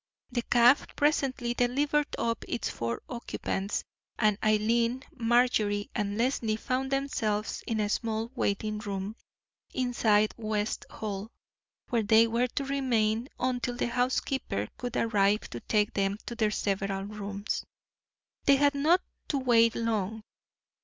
The cab presently delivered up its four occupants, and Eileen, Marjorie, and Leslie found themselves in a small waiting room inside West Hall, where they were to remain until the housekeeper could arrive to take them to their several rooms. They had not to wait long.